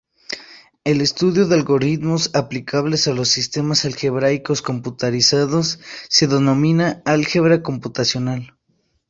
El estudio de algoritmos aplicables a los sistemas algebraicos computarizados se denomina álgebra computacional.